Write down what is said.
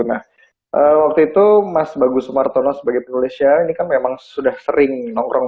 nah waktu itu mas bagus sumartono sebagai penulisnya ini kan memang sudah sering nongkrong